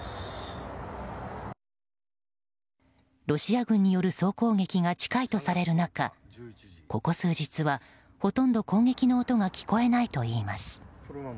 ロシア軍による総攻撃が近いとされる中ここ数日は、ほとんど攻撃の音が聞こえないといいます。